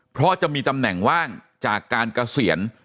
เพราะจะมีตำแหน่งว่างจากการเกษียณ